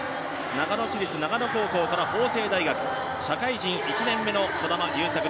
長野市立長野高校から法政大学、社会人１年目の児玉悠作。